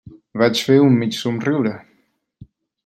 Vaig fer un mig somriure.